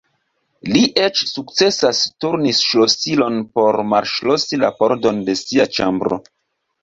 Li eĉ sukcesas turni ŝlosilon por malŝlosi la pordon de sia ĉambro.